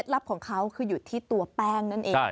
ก็จะเป็นสูตรที่ทางร้านนี่พิซซ่าขึ้นมาเองนั่นเองนะคะ